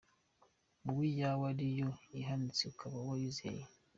wowe iyawe ariyo ihanitse ukaba wiyizeye?